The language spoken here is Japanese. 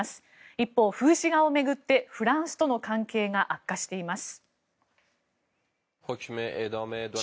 一方、風刺画を巡ってフランスとの関係が悪化しています。